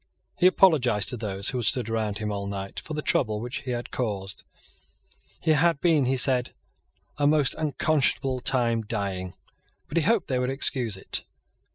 He apologised to those who had stood round him all night for the trouble which he had caused. He had been, he said, a most unconscionable time dying; but he hoped that they would excuse it.